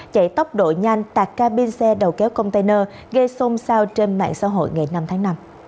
chạy tốc độ nhanh tạc cabin xe đầu kéo container gây xôn xao trên mạng xã hội ngày năm tháng năm